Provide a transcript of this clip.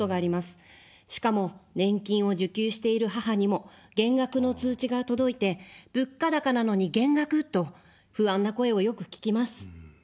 しかも、年金を受給している母にも減額の通知が届いて、物価高なのに減額と不安な声をよく聞きます。